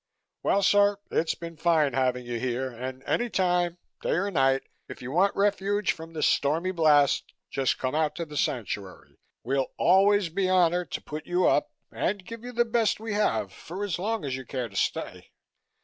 "Well, sir, it's been fine having you here and any time day or night if you want refuge from the stormy blast, just come out to the Sanctuary. We'll always be honored to put you up and give you the best we have for as long as you care to stay.